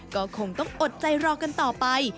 ก็คงต้องอดใจรอกันต่อไป